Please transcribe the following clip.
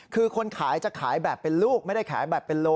คือคนขายจะขายแบบเป็นลูกไม่ได้ขายแบบเป็นโล